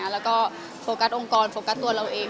แล้วก็โฟกัสองค์กรโฟกัสตัวเราเอง